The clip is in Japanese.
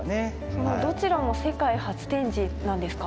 そのどちらも世界初展示なんですか？